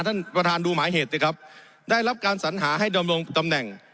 ท่านประธานดูหมายเหตุสิครับได้รับการสัญหาให้ดำรงตำแหน่ง